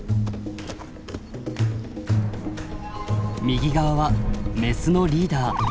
右側はメスのリーダー。